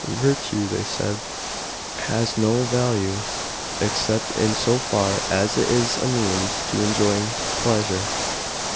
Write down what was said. Virtue, they said, has no value except in so far as it is a means to enjoying pleasure.